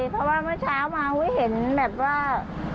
เพราะว่าเมื่อเช้ามาเห็นแบบว่า